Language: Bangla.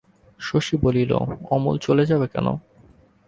শশী বলিল, অমূল চলে যাবে কেন?